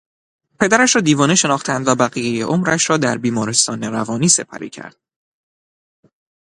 پدرش را دیوانه شناختند و بقیهی عمرش را در بیمارستان روانی سپری کرد.